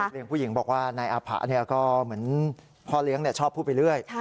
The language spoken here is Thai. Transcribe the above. เลี้ยงผู้หญิงบอกว่านายอาผะก็เหมือนพ่อเลี้ยงชอบพูดไปเรื่อย